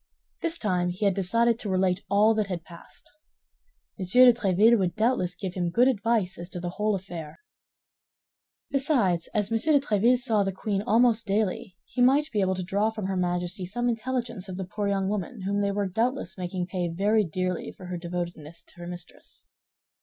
This time he had decided to relate all that had passed. M. de Tréville would doubtless give him good advice as to the whole affair. Besides, as M. de Tréville saw the queen almost daily, he might be able to draw from her Majesty some intelligence of the poor young woman, whom they were doubtless making pay very dearly for her devotedness to her mistress.